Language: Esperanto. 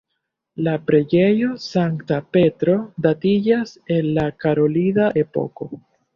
La preĝejo Sankta Petro datiĝas el la karolida epoko.